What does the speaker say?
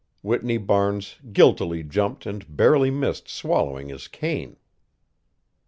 Whitney Barnes guiltily jumped and barely missed swallowing his cane.